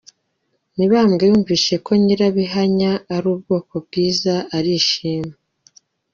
Mibambwe yumvise ko Nyirabihanya ari ubwoko bwiza arishima.